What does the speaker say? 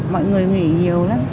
mọi người nghỉ nhiều lắm